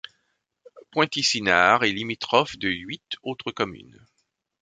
Pointis-Inard est limitrophe de huit autres communes.